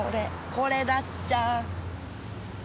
これだっちゃこれ。